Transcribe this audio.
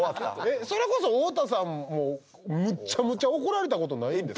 それこそ太田さんもむちゃむちゃ怒られた事ないですか？